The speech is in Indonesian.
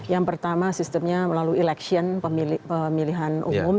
yang pertama sistemnya melalui election pemilihan umum